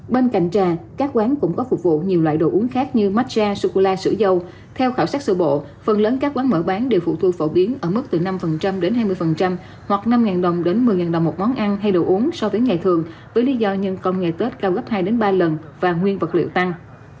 bên cạnh trà các quán cũng có phục vụ nhiều loại đồ uống khác như matra sô cô la sử dâu theo khảo sát sự bộ phần lớn các quán mở bán đều phụ thu phổ biến ở mức từ năm đến hai mươi hoặc năm đồng đến một mươi đồng một món ăn hay đồ uống so với ngày thường với lý do nhân công ngày tết cao gấp hai ba lần và nguyên vật liệu tăng